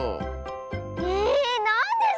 えなんです